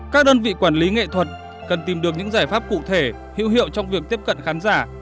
các đơn vị quản lý nghệ thuật cần tìm được những giải pháp cụ thể hữu hiệu trong việc tiếp cận khán giả